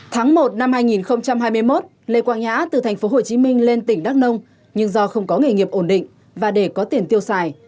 tháng một năm hai nghìn hai mươi một lê quang nhã từ tp hcm lên tỉnh đắk nông nhưng do không có nghề nghiệp ổn định và để có tiền tiêu xài